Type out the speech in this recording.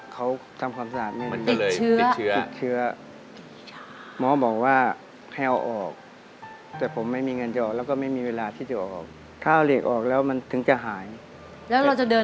เขาตามความสะอาดไม่ได้เลยดิ